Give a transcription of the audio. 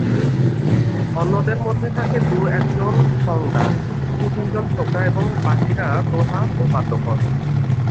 অন্যদের মধ্যে থাকে দু-একজন সঙদার, দু-তিনজন ছোকরা এবং বাকিরা দোহার ও বাদ্যকর।